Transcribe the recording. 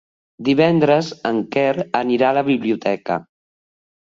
Divendres en Quer anirà a la biblioteca.